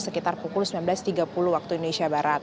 sekitar pukul sembilan belas tiga puluh waktu indonesia barat